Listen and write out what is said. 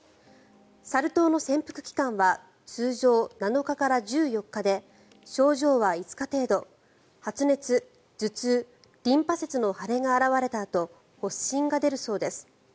サル痘の潜伏期間は通常、７日から１４日で症状は５日程度発熱、頭痛リンパ節の腫れが現れたあと発疹が出るそうです。